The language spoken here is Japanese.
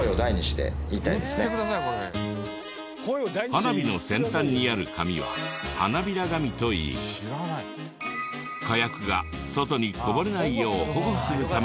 花火の先端にある紙は花びら紙といい火薬が外にこぼれないよう保護するためのもの。